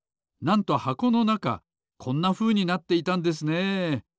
なんとはこのなかこんなふうになっていたんですね。